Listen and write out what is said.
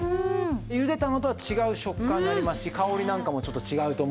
ゆでたのとは違う食感になりますし香りなんかもちょっと違うと思う。